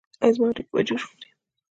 ایا زما هډوکي به جوش وخوري؟